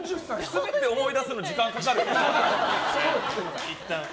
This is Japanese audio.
全て思い出すの時間かかるね。